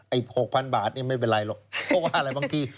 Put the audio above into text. ๖๐๐๐บาทนี่ไม่เป็นไรหรอกเพราะว่าอะไรบางที